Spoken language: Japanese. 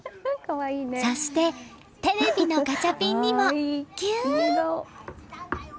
そして、テレビのガチャピンにもぎゅーっ！